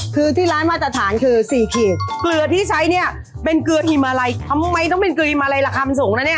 คือที่ร้านมาตรฐานคือ๔ขีดเกลือที่ใช้เนี่ยเป็นเกลือทิมอะไรทำไมต้องเป็นเกลือมอะไรราคามันสูงนะเนี่ย